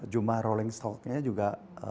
jumah rolling stock nya juga